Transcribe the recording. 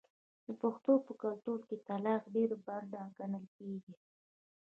د پښتنو په کلتور کې طلاق ډیر بد ګڼل کیږي.